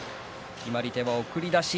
決まり手は送り出し。